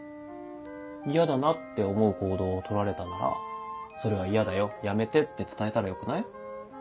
嫌だなって思う行動を取られたなら「それは嫌だよやめて」って伝えたらよくない？